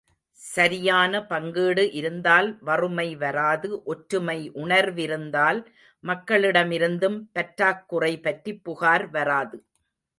சரியான பங்கீடு இருந்தால் வறுமை வராது ஒற்றுமை உணர்விருந்தால் மக்களிடமிருந்தும் பற்றாக் குறைபற்றி புகார் வராது.